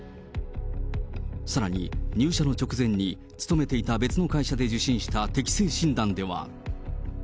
さらに、入社の直前に勤めていた別の会社で受診した適性診断では。